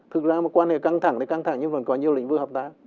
thực ra quan hệ căng thẳng thì căng thẳng nhưng vẫn có nhiều lĩnh vực hợp tác